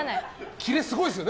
キレすごいですよね